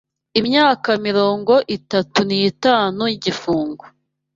Imyaka mirongo itatu nitanu y’igifungo